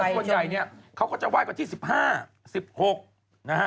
แต่ส่วนใหญ่เนี่ยเขาก็จะว่ายกว่าที่๑๕๑๖นะฮะ